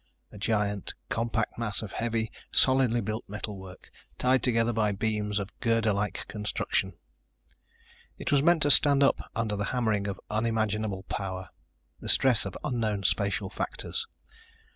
a giant, compact mass of heavy, solidly built metal work, tied together by beams of girderlike construction. It was meant to stand up under the hammering of unimaginable power, the stress of unknown spatial factors.